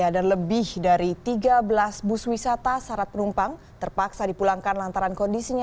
dan lebih dari tiga belas bus wisata syarat penumpang terpaksa dipulangkan lantaran kondisinya